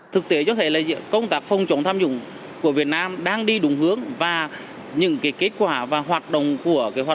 năm hai nghìn một mươi năm cũng như là luật phòng chống tham nhũng hai nghìn một mươi tám chúng ta đã mở rộng cái chủ thể tội phạm